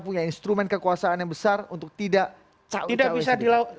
punya instrumen kekuasaan yang besar untuk tidak